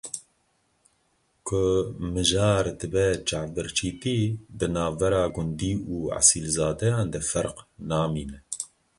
Ku mijar dibe çavbirçîtî di navbera gundî û esilzadeyan de ferq namîne.